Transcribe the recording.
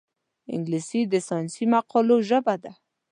انګلیسي د ساینسي مقالو ژبه ده